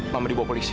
mama dibawa polisi